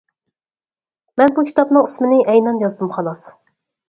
مەن بۇ كىتابنىڭ ئىسمىنى ئەينەن يازدىم خالاس.